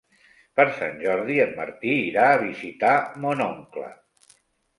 Per Sant Jordi en Martí irà a visitar mon oncle.